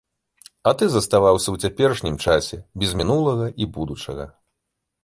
А ты заставаўся ў цяперашнім часе, без мінулага і будучага.